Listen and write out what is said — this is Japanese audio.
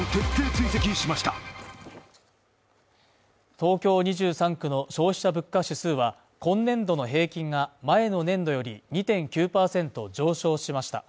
東京２３区の消費者物価指数は、今年度の平均が前の年度より２．９％上昇しました。